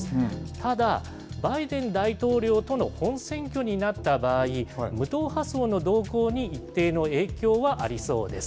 ただ、バイデン大統領との本選挙になった場合、無党派層の動向に一定の影響はありそうです。